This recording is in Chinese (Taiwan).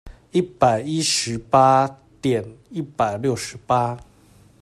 一百一十八點一百六十八